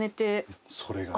それがね